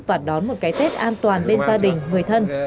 và đón một cái tết an toàn bên gia đình người thân